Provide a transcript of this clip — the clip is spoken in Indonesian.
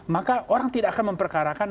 maka orang tidak akan memperkarakan